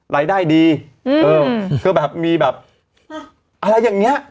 รายได้ดีเออก็แบบมีแบบอะไรอย่างเงี้ย